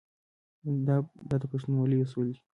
دا د پښتونولۍ اصول دي.